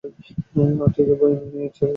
আত্মীদের বয়ান নিয়ে, ছেড়ে দাও।